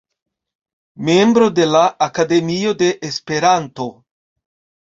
Membro de la Akademio de Esperanto.